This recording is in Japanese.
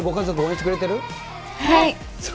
はい。